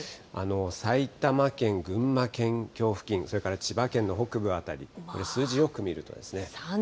埼玉県、群馬県境付近、それから千葉県の北部辺り、数字よく見ると。